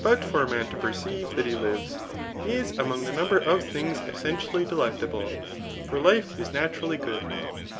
But for a man to perceive that he lives, is among the number of things essentially delecta ble; for life is naturally good.